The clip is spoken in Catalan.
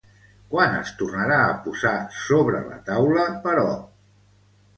Quan es tornarà a posar sobre la taula, però?